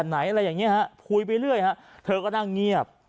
ไหนอะไรอย่างนี้ฮะคุยไปเรื่อยฮะเธอก็นั่งเงียบ